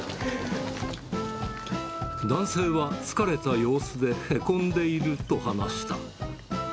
男性は疲れた様子でへこんでいると話した。